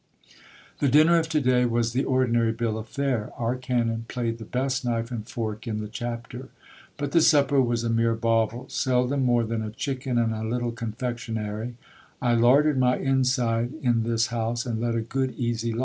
The dinner of to day was the ordinary bill of fare. Our canon played the best knife and fork in the chapter. But the supper was a mere bauble ; seldom more than a chicken and a little confectionary. I larded my inside in this house, and led a good easy life.